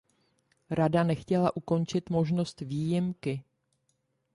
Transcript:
Rada nechtěla ukončit možnost výjimky.